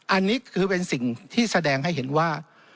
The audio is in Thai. อันนี้คือเป็นสิ่งที่แสดงให้เห็นว่า